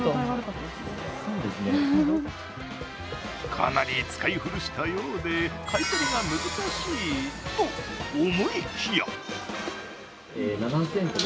かなり使い古したようで買い取りが難しいと思いきや！